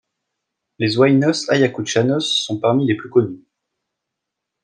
Les Huaynos Ayacuchanos sont parmi les plus connus.